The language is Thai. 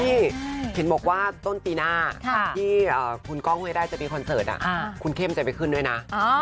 เห็นบอกว่าต้นปีหน้าที่คุณก้องไม่ได้จะมีคอนเสิร์ตคุณเข้มจะไปขึ้นด้วยนะ